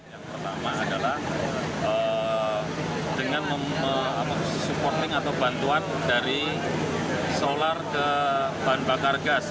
yang pertama adalah dengan supporting atau bantuan dari solar ke bahan bakar gas